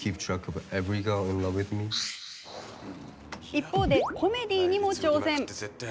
一方で、コメディーにも挑戦。